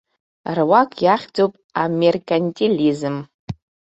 Руак иахьӡуп амеркантилизм.